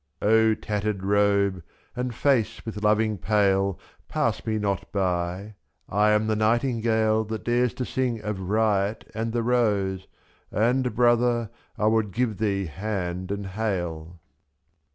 O tattered robe, and face with loving pale. Pass me not by — I am the nightingale /^^.That dares to sing of Riot and the Rose, And, brother, I would give thee hand and hail.